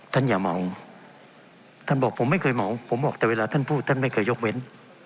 อย่าเหมาท่านบอกผมไม่เคยเหมาผมบอกแต่เวลาท่านพูดท่านไม่เคยยกเว้น